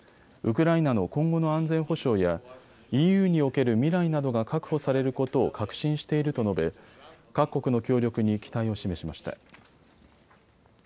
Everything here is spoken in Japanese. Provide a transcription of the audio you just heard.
ウクライナの今後の安全保障やＥＵにおける未来などが確保されることを確信していると述べ各国の協力に期待を示しました。